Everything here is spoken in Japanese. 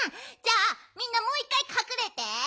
じゃあみんなもういっかいかくれて。